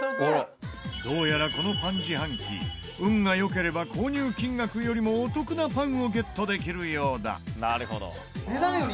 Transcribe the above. どうやらこのパン自販機運が良ければ購入金額よりもお得なパンをゲットできるようだ。